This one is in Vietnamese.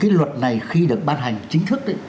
cái luật này khi được ban hành chính thức